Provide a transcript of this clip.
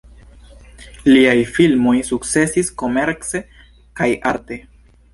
Liaj filmoj sukcesis komerce kaj arte.